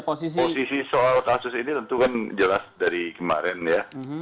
posisi soal kasus ini tentu kan jelas dari kemarin ya